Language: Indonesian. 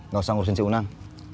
nggak usah ngurusin si unang